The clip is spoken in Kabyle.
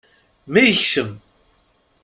Mi yekcem.